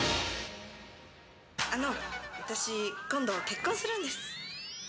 あの、私、今度結婚するんです。